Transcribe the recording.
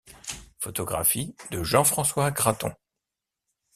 Photographies de Jean-François Gratton.